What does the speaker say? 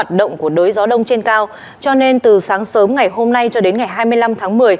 do ảnh hưởng của đối gió đông trên cao cho nên từ sáng sớm ngày hôm nay cho đến ngày hai mươi năm tháng một mươi